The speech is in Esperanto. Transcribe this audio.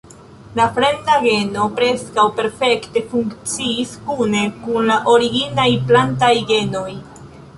La fremda geno preskaŭ perfekte funkciis kune kun la originaj plantaj genoj.